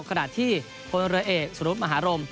ขนาดที่พรเสุรุษร์มหารม